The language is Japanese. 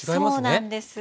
そうなんです。